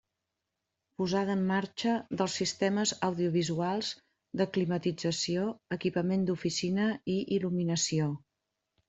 Posada em marxa dels sistemes audiovisuals, de climatització, equipament d'oficina i il·luminació.